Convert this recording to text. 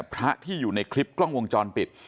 พระที่อยู่ในคลิปกล้องวงจรปิด